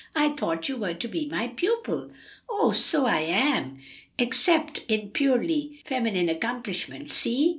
"I thought you were to be my pupil." "Oh, so I am! except in purely feminine accomplishments. See!"